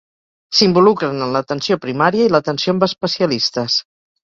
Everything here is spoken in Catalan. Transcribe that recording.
S'involucren en l'atenció primària i l'atenció amb especialistes.